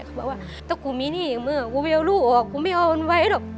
เขาบอกว่าถ้ากูมีหนี้อย่างเมื่อกูไม่เอาลูกออกกูไม่เอามันไว้หรอก